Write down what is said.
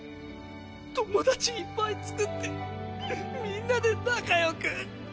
友達いっぱいつくってみんなで仲良く。